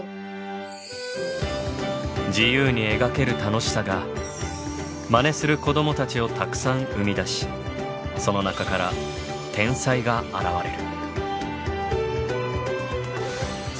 自由に描ける楽しさがまねする子どもたちをたくさん生み出しその中から天才が現れる。